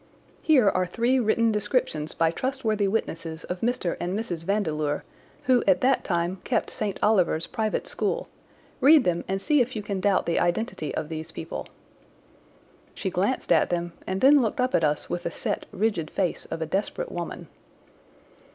Here are three written descriptions by trustworthy witnesses of Mr. and Mrs. Vandeleur, who at that time kept St. Oliver's private school. Read them and see if you can doubt the identity of these people." She glanced at them, and then looked up at us with the set, rigid face of a desperate woman.